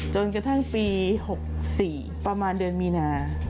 จนกระทั่งปี๖๔ประมาณเดือนมีนา